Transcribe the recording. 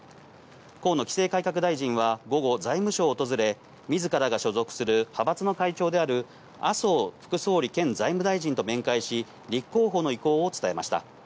河野規制改革大臣は午後、財務省を訪れ、みずからが所属する派閥の会長である麻生副総理兼財務大臣と面会し、立候補の意向を伝えました。